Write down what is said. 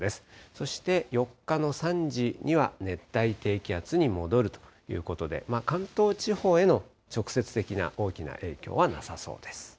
そして４日の３時には熱帯低気圧に戻るということで、関東地方への直接的な大きな影響はなさそうです。